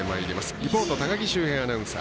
リポート、高木修平アナウンサー。